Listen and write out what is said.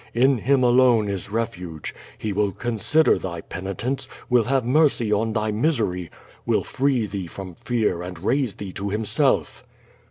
In Him alone is refuge. He will consider thy penitence, will have mercy on thy misery, will free thee from fear and raise thee to Him self.